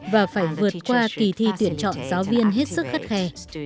và phải vượt qua kỳ thi tuyển chọn giáo viên hết sức khắt khe